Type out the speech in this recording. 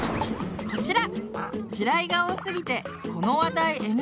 こちら！